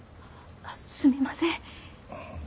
あっすみません。